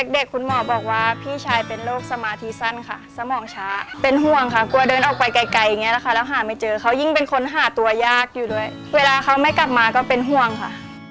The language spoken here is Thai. เด็กคุณหมอบอกว่าพี่ชายเป็นโรคสมาธิสั้นค่ะสมองช้าเป็นห่วงค่ะกลัวเดินออกไปไกลอย่างนี้แหละค่ะแล้วหาไม่เจอเขายิ่งเป็นคนหาตัวยากอยู่ด้วยเวลาเขาไม่กลับมาก็เป็นห่วงค่ะ